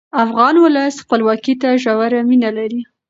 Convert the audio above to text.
افغان ولس خپلواکۍ ته ژوره مینه لري.